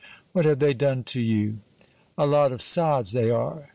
"What have they done to you?" "A lot of sods, they are!"